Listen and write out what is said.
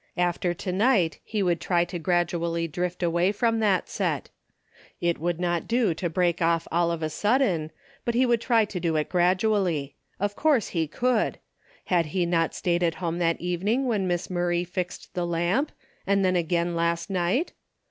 After to night, he would try to gradually drift away from that set. It would not do to 190 DAILY BATEy break off all of a sudden, but he would try to do it gradually. Of course he could. Had he not stayed at home that evening when Miss Murray fixed the lamp, and then again last night